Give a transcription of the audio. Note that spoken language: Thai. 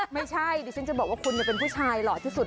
ไม่ใช่ดิฉันจะบอกว่าคุณเป็นผู้ชายหล่อที่สุด